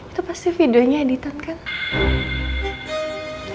itu pasti videonya editon kan